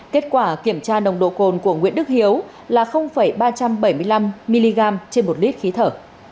kết quả kiểm tra nồng độ cồn của nguyễn đức hiếu là ba trăm bảy mươi năm mg trên một lít khí thở